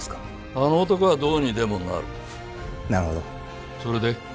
あの男はどうにでもなるなるほどそれで？